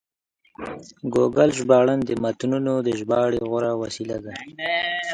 ګوګل ژباړن د متنونو د ژباړې غوره وسیله ده.